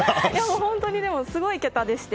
本当に、でもすごい桁でして。